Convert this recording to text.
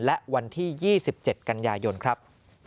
และวันที่๒๗กันยายนครับ